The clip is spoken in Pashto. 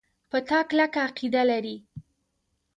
په تا کلکه عقیده لري.